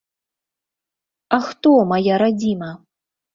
А хто мая радзіма?